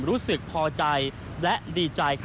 รู้สึกพอใจและดีใจ